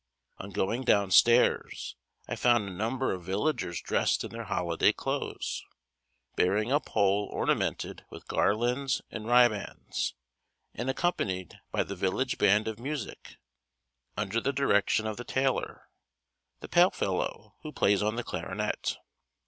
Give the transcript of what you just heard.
On going down stairs, I found a number of villagers dressed in their holiday clothes, bearing a pole ornamented with garlands and ribands, and accompanied by the village band of music, under the direction of the tailor, the pale fellow who plays on the clarionet.